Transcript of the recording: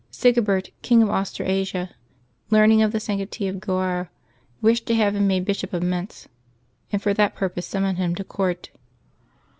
Sigebert, King of Austrasia, learning of the sanctity of Goar, wished to have him made Bishop of Metz, and for that purpose summoned him to court.